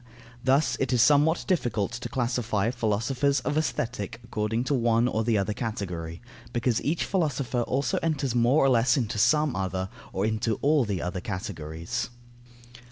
Thus it is somewhat difficult to classify philosophers of Aesthetic according to one or the other category, because each philosopher also enters more or less into some other, or into all the other categories.